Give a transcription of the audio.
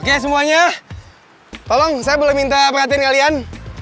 oke semuanya tolong saya boleh minta perhatian kalian